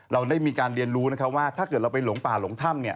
เราได้มีการเรียนรู้ว่าถ้าเกิดเราไปหลงป่าหลงถ้ำ